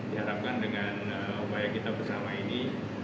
diharapkan dengan upaya kita bersama ini